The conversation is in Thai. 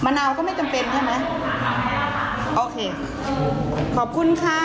นาวก็ไม่จำเป็นใช่ไหมโอเคขอบคุณค่ะ